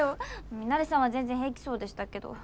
ミナレさんは全然平気そうでしたけど。